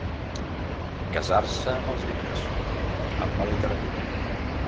Casar-se amb els llibres, amb la literatura.